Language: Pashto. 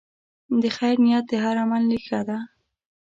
د خیر نیت د هر عمل ریښه ده.